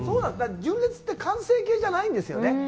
純烈って完成形じゃないんですよね。